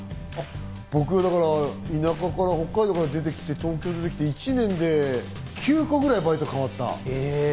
僕、田舎から北海道から出てきて、１年で９個ぐらいバイト変わった。